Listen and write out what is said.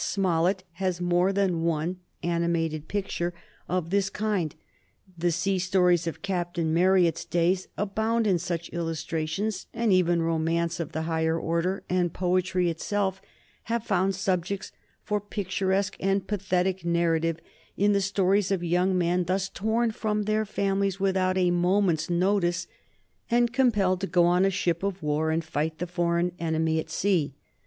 Smollett has more than one animated picture of this kind. The sea stories of Captain Marryat's days abound in such illustrations, and even romance of the higher order, and poetry itself, have found subjects for picturesque and pathetic narrative in the stories of young men thus torn from their families without a moment's notice, and compelled to go on a ship of war and fight the foreign enemy at sea.